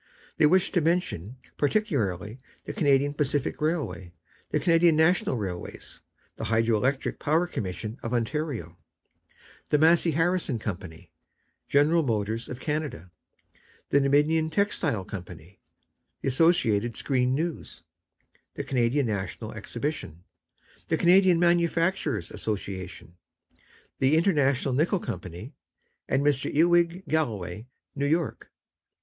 They wish to mention particularly the Canadian Pacific Railway, the Canadian National Railways, the Hydro Electric Power Commission of Ontario, the Massey Harris Company, General Motors of Canada, the Dominion Textile Company, the Associated Screen News, the Canadian National Exhibition, the Canadian Manufacturers' Association, the International Nickel Company, and Mr. Ewing Galloway, New York.